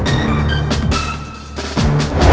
kasian ini udah oke